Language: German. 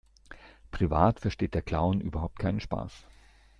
Privat versteht der Clown überhaupt keinen Spaß.